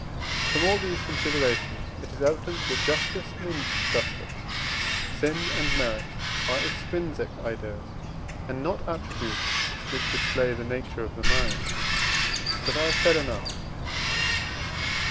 From all these considerations it is evident, that justice and injustice, sin and merit, are extrinsic ideas, and not attributes which display the nature of the mind. But I have said enough.